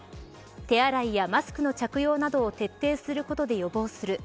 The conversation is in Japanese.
手洗いやマスクの着用などを徹底することで予防する。